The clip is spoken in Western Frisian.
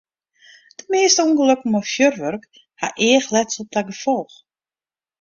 De measte ûngelokken mei fjurwurk ha eachletsel ta gefolch.